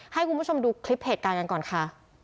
ให้คุณผู้ชมดูคลิปเหตุการณ์กันก่อนค่ะ